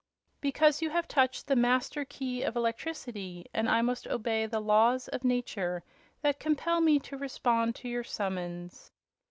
"Because you have touched the Master Key of Electricity, and I must obey the laws of nature that compel me to respond to your summons."